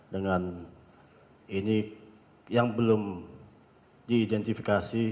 dengan ini yang belum diidentifikasi